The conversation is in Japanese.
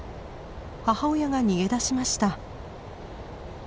母親が逃げ出しました。